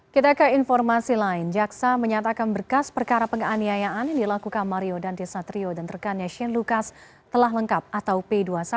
kita ke informasi lain jaksa menyatakan berkas perkara penganiayaan yang dilakukan mario dandisatrio dan rekannya shane lucas telah lengkap atau p dua puluh satu